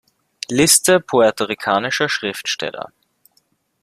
Liste puerto-ricanischer Schriftsteller